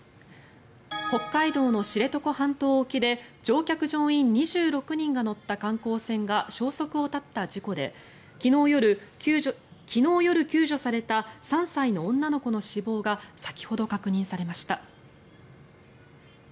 北海道の知床半島沖で乗客・乗員２６人が乗った観光船が消息を絶った事故で昨日夜救助された３歳の女の子の死亡が先ほど確認されました。